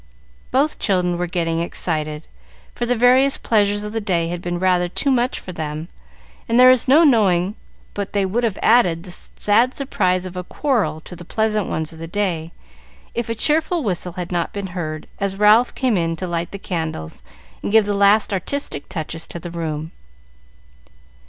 Both children were getting excited, for the various pleasures of the day had been rather too much for them, and there is no knowing but they would have added the sad surprise of a quarrel to the pleasant ones of the day, if a cheerful whistle had not been heard, as Ralph came in to light the candles and give the last artistic touches to the room.